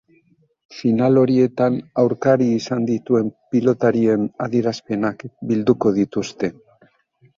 Final horietan aurkari izan dituen pilotarien adierazpenak bilduko dituzte.